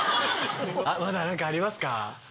あっまだ何かありますか？